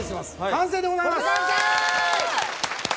完成でございます！